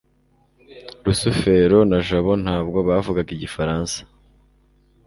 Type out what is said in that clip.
rusufero na jabo ntabwo bavugaga igifaransa